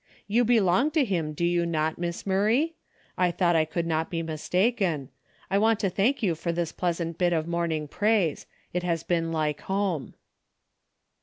You belong to him, do you not . Miss Murray ? I thought I could not be mistaken. I want to thank you for this pleasant bit of morning praise. It has been like home."